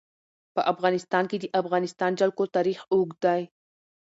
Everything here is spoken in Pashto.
په افغانستان کې د د افغانستان جلکو تاریخ اوږد دی.